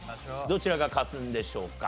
どちらが勝つんでしょうか？